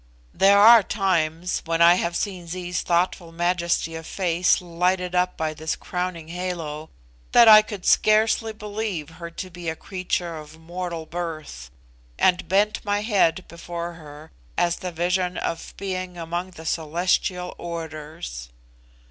There are times, when I have seen Zee's thoughtful majesty of face lighted up by this crowning halo, that I could scarcely believe her to be a creature of mortal birth, and bent my head before her as the vision of a being among the celestial orders.